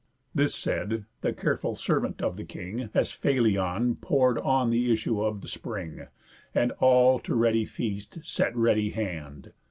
This said, the careful servant of the king, Asphalion, pour'd on th' issue of the spring; And all to ready feast set ready hand.